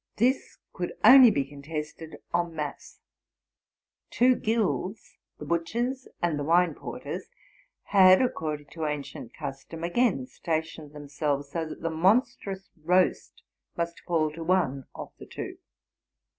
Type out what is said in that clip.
This could only be contested en masse. Two guilds, the butchers and the wine porters, had, according to ancient custom, again stationed themselves so that the monstrous roast must fall to one of the two.